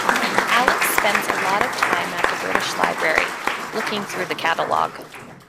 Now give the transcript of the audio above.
Alex spends a lot of time at the British Library, looking through the catalogue.